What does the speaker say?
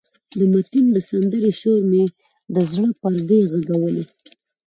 د متین د سندرې شور مې د زړه پردې غږولې.